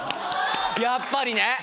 やっぱりね！